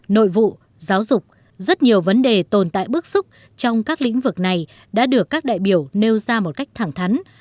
nội vụ giáo dục rất nhiều vấn đề tồn tại bức xúc trong các lĩnh vực này đã được các đại biểu nêu ra một cách thẳng thắn